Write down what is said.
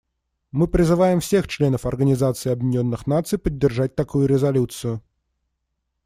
Мы призываем всех членов Организации Объединенных Наций поддержать такую резолюцию.